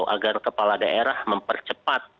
agar kepala daerah mempercepatkan